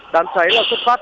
đám cháy là xuất phát